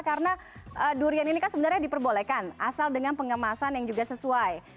karena durian ini kan sebenarnya diperbolehkan asal dengan pengemasan yang juga sesuai